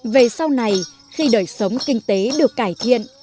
về sau này khi đời sống kinh tế được cải thiện